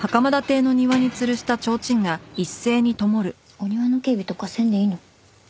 お庭の警備とかせんでいいの？